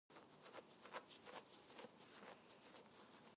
These junctions were at the intersections with Customs Street and Wellesley Street.